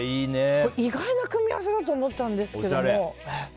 意外な組み合わせだと思ったんですけども。